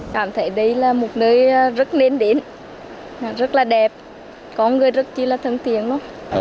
cảm thấy đây là một nơi rất nên đến rất là đẹp có người rất là thân thiện lắm